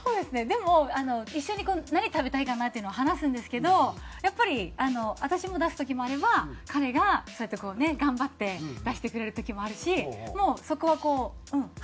でも一緒に何食べたいかなっていうのは話すんですけどやっぱり私も出す時もあれば彼がそうやってこうね頑張って出してくれる時もあるしもうそこはこううん。